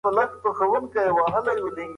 د روغتیا نړیوال سازمان د دې څېړنو ارزونه کړې ده.